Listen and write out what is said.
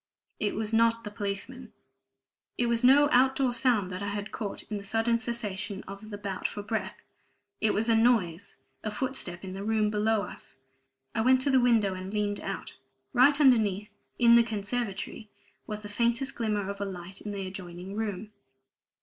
It was not the policeman; it was no out door sound that I had caught in the sudden cessation of the bout for breath. It was a noise, a footstep, in the room below us. I went to the window and leaned out: right underneath, in the conservatory, was the faintest glimmer of a light in the adjoining room.